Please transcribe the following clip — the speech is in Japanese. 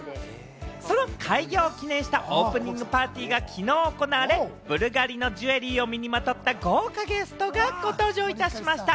その開業記念をしたオープニングパーティーが昨日行われ、ブルガリのジュエリーを身にまとった豪華ゲストがご登場いたしました。